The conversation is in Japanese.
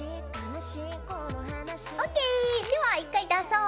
ＯＫでは一回出そう。